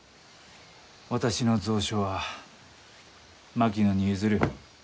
私の蔵書は槙野に譲る。